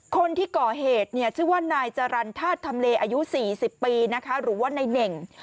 คนที่ก่อเหตุเนี่ยชื่อว่านายจรรย์ธาตุทำเลอายุ๔๐ปีนะคะหรือว่านายเน่ง